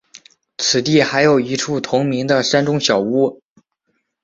此地还有一处同名的山中小屋。